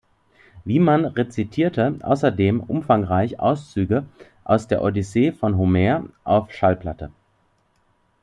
Wieman rezitierte außerdem umfangreich Auszüge aus der Odyssee von Homer auf Schallplatte.